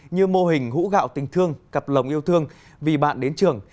như mô hình hũ gạo tình thương cặp lòng yêu thương vì bạn đến trường